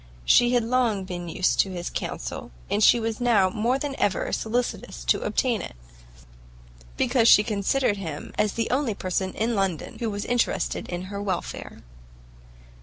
She had long been used to his counsel, and she was now more than ever solicitous to obtain it, because she considered him as the only person in London who was interested in her welfare.